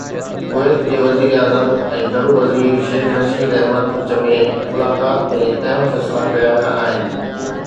ڪويت جي وزيراعظم ۽ گهرو وزير شيخ رشيد احمد وچ ۾ ملاقات ۾ اهم فيصلا ڪيا ويا آهن